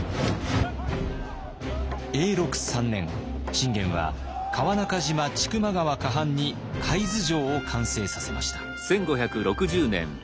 信玄は川中島千曲川河畔に海津城を完成させました。